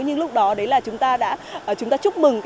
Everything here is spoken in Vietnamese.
nhưng lúc đó chúng ta đã chúc mừng